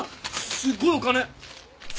すごいお金！